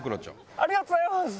ありがとうございます！